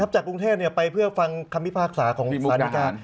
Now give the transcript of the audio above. ทับจากกรุงเทศเนี่ยไปเพื่อฟังคำพิพากษาของสารดิการพี่มุกราฮัน